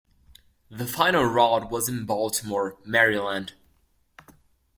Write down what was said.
The final route was in Baltimore, Maryland.